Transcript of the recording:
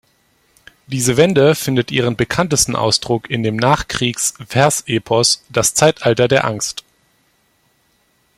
Diese Wende findet ihren bekanntesten Ausdruck in dem Nachkriegs-Versepos "Das Zeitalter der Angst".